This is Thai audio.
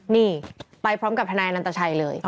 นี่ไปพร้อมกับทนายนันตชัยเลย